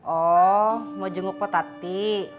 oh mau jenguk potati